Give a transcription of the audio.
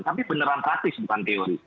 tapi beneran praktis bukan teori